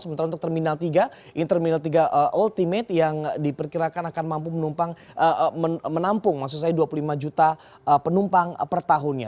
sementara untuk terminal tiga ini terminal tiga ultimate yang diperkirakan akan mampu menampung maksud saya dua puluh lima juta penumpang per tahunnya